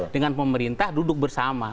dengan pemerintah duduk bersama